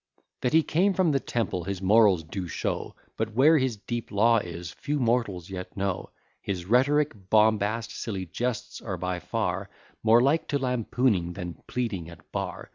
That he came from the Temple, his morals do show; But where his deep law is, few mortals yet know: His rhetoric, bombast, silly jests, are by far More like to lampooning, than pleading at bar.